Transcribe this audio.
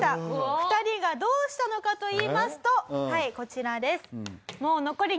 ２人がどうしたのかといいますとはいこちらです。